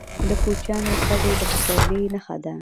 د کوچیانو کډې د پسرلي نښه ده.